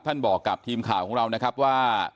บอกกับทีมข่าวของเรานะครับว่า